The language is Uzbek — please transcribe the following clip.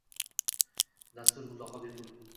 Dastur mutlaqo bepul.